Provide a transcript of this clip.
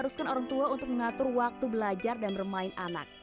haruskan orang tua untuk mengatur waktu belajar dan bermain anak